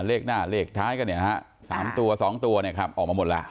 เลขหน้าเลขท้ายกันเนี่ยฮะ๓ตัว๒ตัวเนี่ยครับออกมาหมดแล้ว